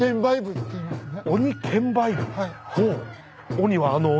鬼はあの鬼？